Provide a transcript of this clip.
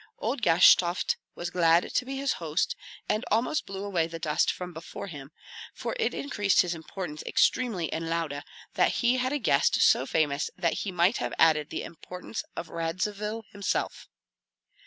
Old Gashtovt was glad to be his host, and almost blew away the dust from before him, for it increased his importance extremely in Lauda that he had a guest so famous that he might have added to the importance of Radzivill himself.